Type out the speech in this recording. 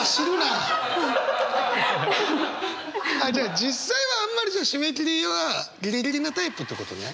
ああじゃあ実際はあんまり締め切りはギリギリなタイプってことね。